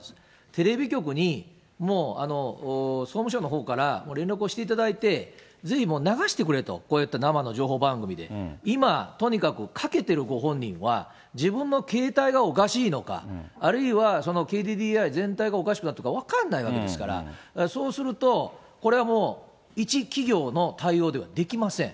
テレビ局に、もう総務省のほうから連絡をしていただいて、ぜひ流してくれと、こうやって生の情報番組で、今、とにかくかけてるご本人は、自分の携帯がおかしいのか、あるいはＫＤＤＩ全体がおかしくなっているのか、分かんないわけですから、そうすると、これはもう、一企業の対応ではできません。